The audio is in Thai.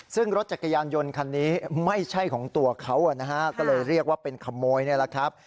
ซึ่งรถจักรยานยนต์คันนี้ไม่ใช่ของตัวเขานะฮะก็เลยเรียกว่าเป็นขโมยนี่แหละครับ